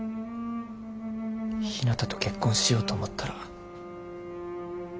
ひなたと結婚しようと思ったら。